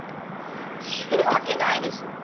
言えるわけないでしょ！